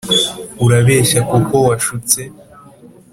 urabeshya kuko washutse,